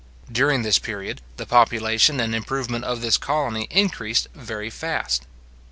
During this period, the population and improvement of this colony increased very fast.